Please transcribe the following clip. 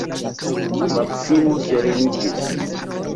Maksimo sereniĝis.